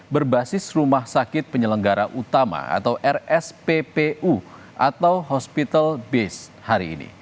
berbasis rumah sakit penyelenggara utama atau rsppu atau hospital base hari ini